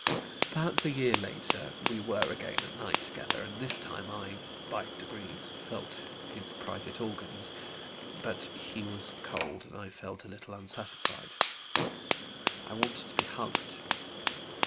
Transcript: Perhaps a year later, we were again at night together, and this time I by degrees felt his private organs, but he was cold and I felt a little unsatisfied. I wanted to be hugged.